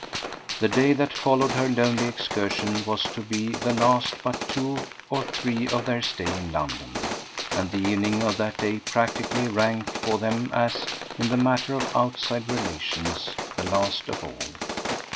The day that followed her lonely excursion was to be the last but two or three of their stay in London; and the evening of that day practically ranked for them as, in the matter of outside relations, the last of all.